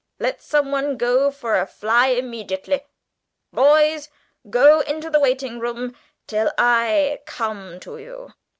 Let some one go for a fly immediately. Boys, go into the waiting room till I come to you.